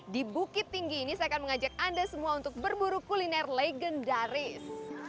di bukit tinggi ini saya akan mengajak anda semua untuk berburu kuliner legendaris